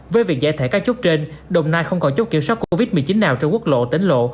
với việc giải thể các chốt trên đồng nai không còn chốt kiểm soát covid một mươi chín nào trên quốc lộ tỉnh lộ